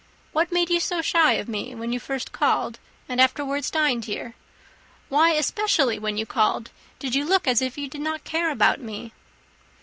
What made you so shy of me, when you first called, and afterwards dined here? Why, especially, when you called, did you look as if you did not care about me?"